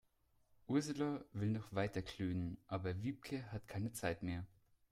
Ursula will noch weiter klönen, aber Wiebke hat keine Zeit mehr.